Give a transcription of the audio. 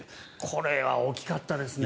これは大きかったですね。